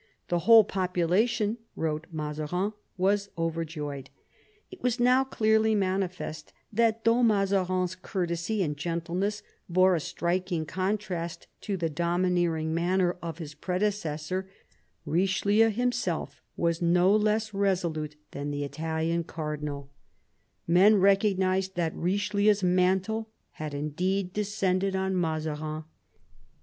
The whole population," wrote Mazarin, "was overjoyed." It was now clearly manifest that, though Mazarin's courtesy and gentleness bore a striking contrast to the domineering manner of his predecessor, Kichelieu himself was no less resolute than the Italian cardinal Men 1 THE EARLY YEARS OF MAZARINES MINISTRY 9 recognised that Richelieu's mantle had indeed descended on Mazarin.